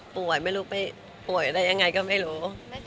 ป่วยไม่รู้ออกไปป่วยได้ยังไงก็ไม่รู้